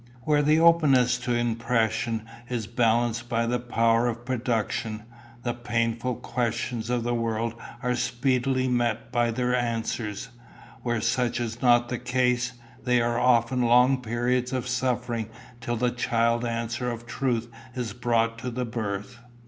Where the openness to impression is balanced by the power of production, the painful questions of the world are speedily met by their answers; where such is not the case, there are often long periods of suffering till the child answer of truth is brought to the birth.